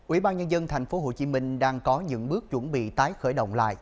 ủy ban nhân dân tp hcm đang có những bước chuẩn bị tái khởi động lại